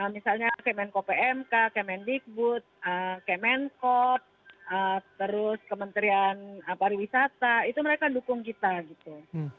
misalnya kemenko pmk kemendikbud kemenkop terus kementerian pariwisata itu mereka dukung kita gitu